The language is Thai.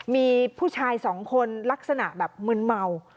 มีผู้ชายสองคนลักษณะแบบมึนเมา